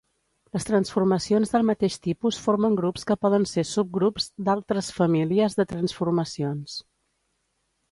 Les transformacions del mateix tipus formen grups que poden ser subgrups d'altres famílies de transformacions.